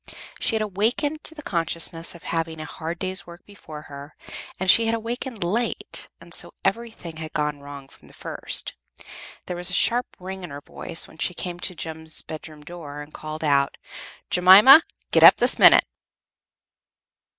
She had awakened to the consciousness of having a hard day's work before her, and she had awakened late, and so everything had gone wrong from the first. There was a sharp ring in her voice when she came to Jem's bedroom door and called out, "Jemima, get up this minute!"